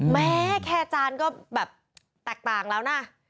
แม้แค่จานก็แบบแตกต่างแล้วนะ